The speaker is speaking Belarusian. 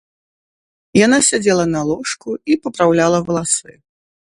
Яна сядзела на ложку і папраўляла валасы.